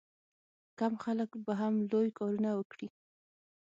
کم خلک به هم لوی کارونه وکړي.